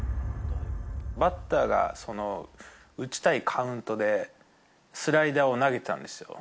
バッターが打ちたいカウントでスライダーを投げたんですよ。